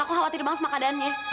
aku khawatir banget sama keadaannya